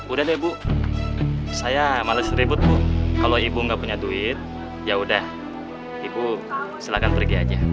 udah deh bu saya males ribut bu kalau ibu nggak punya duit yaudah ibu silakan pergi aja